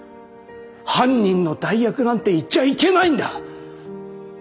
犯人の代役なんていちゃいけないんだ！